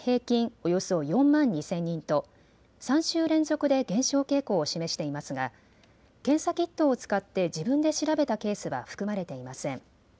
およそ４万２０００人と３週連続で減少傾向を示していますが検査キットを使って自分で調べたケースは含まれていません。